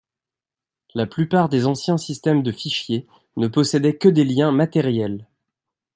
La plupart des anciens systèmes de fichiers, ne possédaient que des liens matériels.